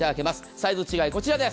サイズ違い、こちらです。